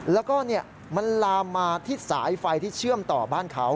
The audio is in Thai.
แล้วก็มันลามมาที่สายไฟที่เชื่อมต่อบ้านเขา